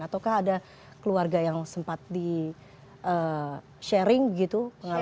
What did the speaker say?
atau ada keluarga yang sempat di sharing gitu pengalaman